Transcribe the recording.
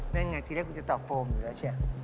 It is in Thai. นั่นไงทีละกูจะตอบโฟมอยู่แล้วใช่ไหม